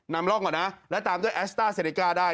นำร่องก่อนนะและตามด้วยแอสต้าเซเนก้าได้